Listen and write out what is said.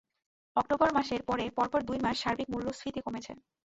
October মাসের পরে পরপর দুই মাস সার্বিক মূল্যস্ফীতি কমেছে।